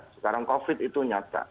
sekarang covid itu nyata